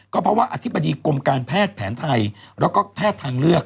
ก็เพราะว่าอธิบดีกรมการแพทย์แผนไทยแล้วก็แพทย์ทางเลือก